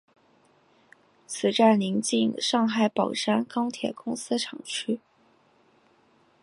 此站邻近上海宝山钢铁公司厂区。